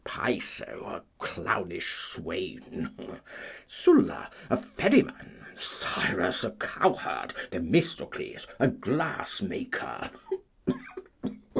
Piso, a clownish swain. Sylla, a ferryman. Cyrus, a cowherd. Themistocles, a glass maker.